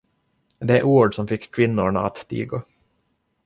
Det ord som fick kvinnorna att tiga.